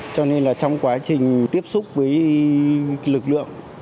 cho nên là trong quá trình tiếp xúc với lực lượng